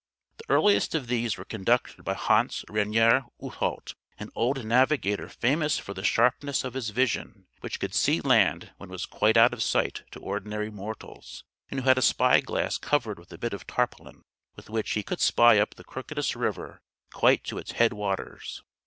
The earliest of these were conducted by Hans Reinier Oothout, an old navigator famous for the sharpness of his vision, who could see land when it was quite out of sight to ordinary mortals, and who had a spy glass covered with a bit of tarpaulin, with which he could spy up the crookedest river, quite to its head waters.